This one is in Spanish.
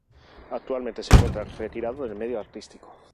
Actualmente se encuentra retirado del medio artístico.